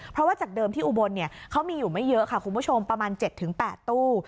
เพราะว่าจากเดิมที่อุบลเขามีอยู่ไม่เยอะค่ะคุณผู้ชมประมาณ๗๘ตู้